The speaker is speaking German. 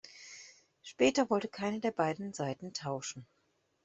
Später wollte keine der beiden Seiten tauschen.